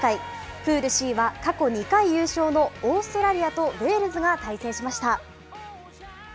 プールＣは過去２回優勝のオーストラリアとウェールズが対戦しました。